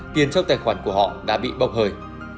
tiền trong tài khoản của họ đã bị bọc hời